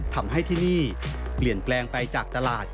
ทำให้ที่นี่เปลี่ยนแปลงไปจากตลาด